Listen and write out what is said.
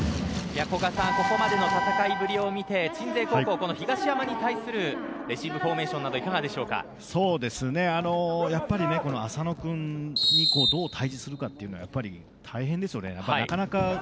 ここまでの戦いぶりを見て鎮西高校、東山に対するレシーブフォーメーションなどやはり麻野くんにどう対峙するかというのが大変ですよね、なかなか。